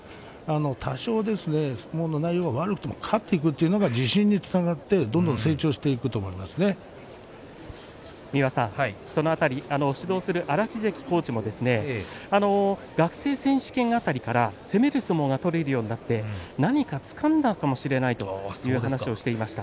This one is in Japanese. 多少内容が悪くても勝っていくことが自信につながってその辺り、指導する荒木関コーチも学生選手権の辺りから攻める相撲が取れるようになって何か、つかんだかもしれないとそういう話をしていました。